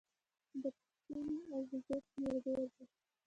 د پسونو او وزو شمیر ډیر دی